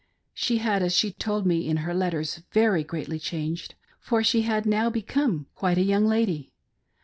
She had, as she told me in her letters, very greatly changed, for she had now become quite a young lady.